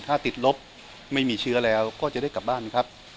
ถ้าติดลบไม่มีเชื้อแล้วก็จะได้กลับบ้านครับ